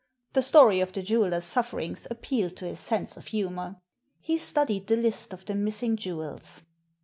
The story of the jeweller's sufferings appealed to his sense of humour. He studied the list of the missing jewels.